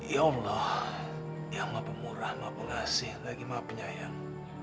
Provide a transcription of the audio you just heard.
ya allah yang mape murah mape ngasih lagi mape nyayang